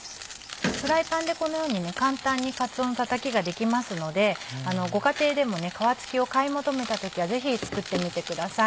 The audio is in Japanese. フライパンでこのように簡単にかつおのたたきができますのでご家庭でも皮付きを買い求めた時はぜひ作ってみてください。